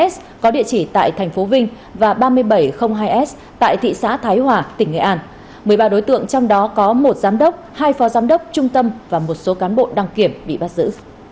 ba mươi bảy một s có địa chỉ tại tp vinh và ba mươi bảy hai s tại thị xã thái hòa tỉnh nghệ an một mươi ba đối tượng trong đó có một giám đốc hai phò giám đốc trung tâm và một số cán bộ đăng kiểm bị bắt giữ